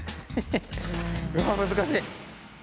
うわ難しい。